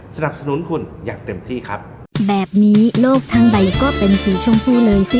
สนับสนุนคุณอย่างเต็มที่ครับแบบนี้โลกทั้งใบก็เป็นสีชมพูเลยสิ